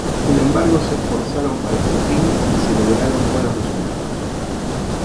Sin embargo, se esforzaron para este fin y se lograron buenos resultados.